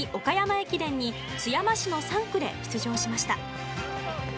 駅伝に津山市の３区で出場しました。